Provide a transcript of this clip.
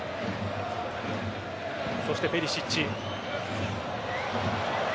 そしてペリシッチ。